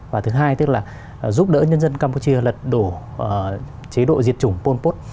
và thứ hai tức là giúp đỡ nhân dân campuchia lật đổ chế độ diệt chủng pol pot